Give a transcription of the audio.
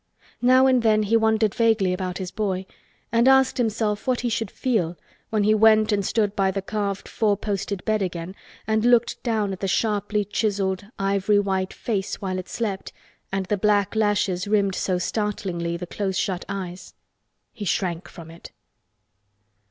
Now and then he wondered vaguely about his boy and asked himself what he should feel when he went and stood by the carved four posted bed again and looked down at the sharply chiseled ivory white face while it slept and, the black lashes rimmed so startlingly the close shut eyes. He shrank from it.